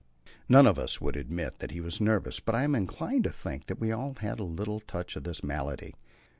None of us would admit that he was nervous, but I am inclined to think that we all had a little touch of that malady.